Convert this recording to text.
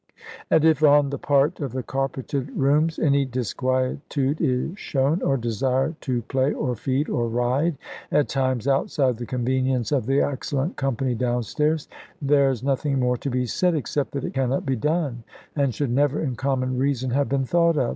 And if on the part of the carpeted rooms any disquietude is shown, or desire to play, or feed, or ride, at times outside the convenience of the excellent company down stairs, there is nothing more to be said, except that it cannot be done, and should never in common reason have been thought of.